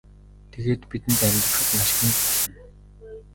Тэгээд бидэнд амьдрахад маш хүнд болно.